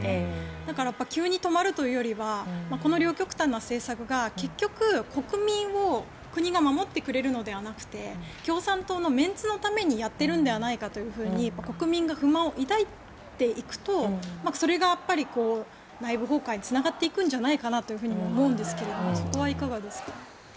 だから、急に止まるというよりはこの両極端な政策が結局、国民を国が守ってくれるのではなくて共産党のメンツのためにやっているんではないかというふうに国民が不満を抱いていくとそれがやっぱり内部崩壊につながっていくのではと思いますがそこはいかがですか。